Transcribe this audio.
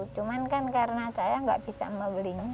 cuman kan karena saya nggak bisa membelinya